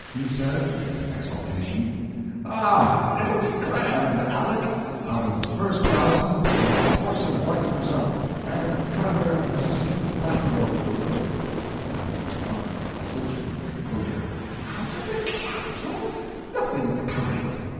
He said, with exultation: "Ah, it'll be grand, Aleck! Out of the first thousand we'll have a horse and a buggy for summer, and a cutter and a skin lap robe for winter." Aleck responded with decision and composure "Out of the capital? Nothing of the kind.